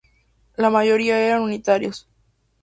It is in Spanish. La mayoría eran unitarios.